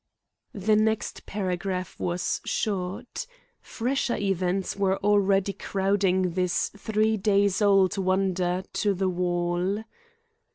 The next paragraph was short. Fresher events were already crowding this three days old wonder to the wall.